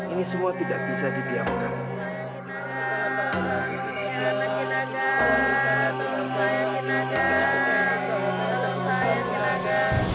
ini semua tidak bisa didiamkan